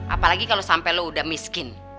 apalagi kalo sampe lu udah miskin